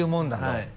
はい。